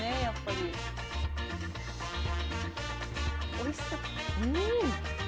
おいしそう。